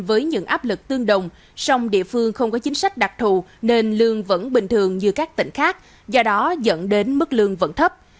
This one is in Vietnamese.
với những áp lực tương đồng sông địa phương không có chính sách đặc thù nên lương vẫn bình thường như các tỉnh khác do đó dẫn đến mức lương vẫn thấp